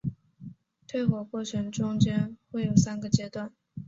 退火过程中间会有三个阶段。